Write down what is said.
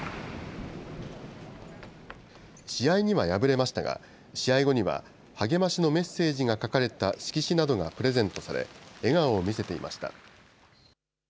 試合には敗れましたが、試合後には励ましのメッセージが書かれた色紙などがプレゼントされ、笑顔を見せていました。